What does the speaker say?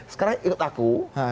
sekarang ikut aku